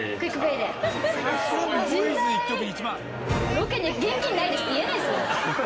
ロケで「現金ないです」って言えないですよ。